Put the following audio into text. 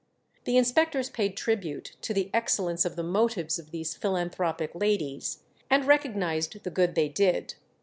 The inspectors paid tribute to the excellence of the motives of these philanthropic ladies, and recognized the good they did.